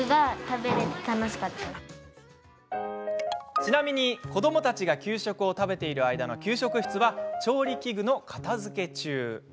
ちなみに、子どもたちが給食を食べている間の給食室は調理器具の片づけ中。